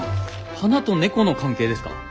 花と猫の関係ですか？